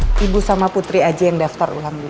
maaf biar ibu sama putri aja yang daftar ulang dulu ya